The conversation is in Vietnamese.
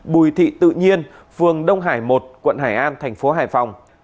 bùi thị tự nhiên phường đông hải một quận hải an tp hải phòng